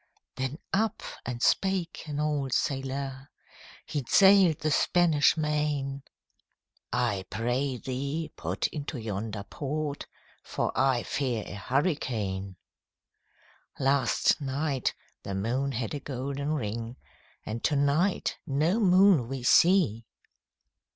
Then up and spake an old sailòr, Had sail'd the Spanish Main, 'I pray thee, put into yonder port, For I fear a hurricane. 'Last night, the moon had a golden ring, And to night no moon we see!'